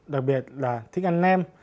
đặc biệt là thích ăn nem